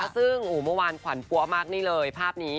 ซึ่งเมื่อวานขวัญปั๊วมากนี่เลยภาพนี้